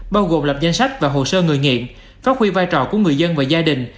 bao gồm lập danh sách và hồ sơ người nghiện phát huy vai trò của người dân và gia đình